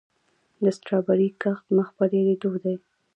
د سټرابیري کښت مخ په ډیریدو دی.